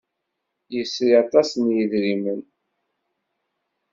Yesri aṭas n yidrimen?